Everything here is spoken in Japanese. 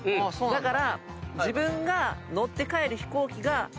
だから。